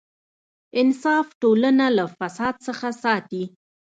انصاف ټولنه له فساد څخه ساتي.